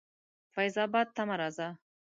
فیض آباد ته مه راځه.